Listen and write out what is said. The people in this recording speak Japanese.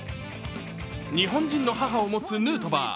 日本人の母を持つヌートバー。